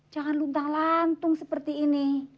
jangan luntang lantung seperti ini